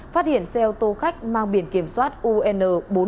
phát hiện xe ô tô khách mang biển kiểm soát un bốn nghìn hai trăm một mươi hai